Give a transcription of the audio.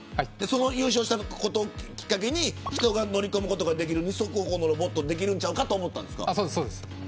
その優勝したことをきっかけに人が乗り込むことができる二足歩行ロボットができるんちゃうかとそうです。